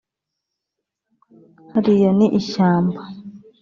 Hariya ni ishyamba